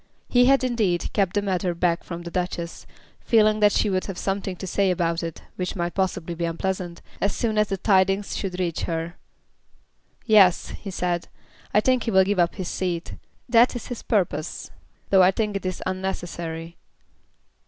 He had, indeed, kept the matter back from the Duchess, feeling that she would have something to say about it, which might possibly be unpleasant, as soon as the tidings should reach her. "Yes," he said, "I think he will give up his seat. That is his purpose, though I think it is unnecessary."